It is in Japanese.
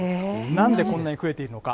なんでこんなに増えているのか。